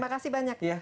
terima kasih banyak